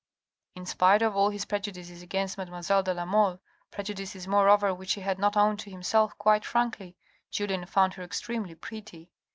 In spite of all his prejudices against mademoiselle de la Mole, prejudices moreover which he had not owned to himself quite frankly, Julien found her extremely pretty.